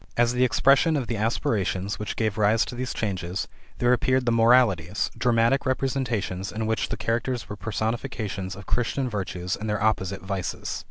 As the expression of the aspirations which gave rise to these changes, there appeared the Moralities, dramatic representations in which the characters were personifications of Christian virtues and their opposite vices.